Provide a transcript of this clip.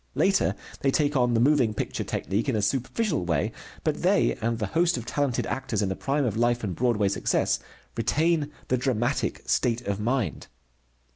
Later they take on the moving picture technique in a superficial way, but they, and the host of talented actors in the prime of life and Broadway success, retain the dramatic state of mind.